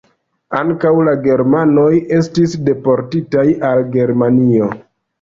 Ankaŭ la germanoj estis deportitaj al Germanio.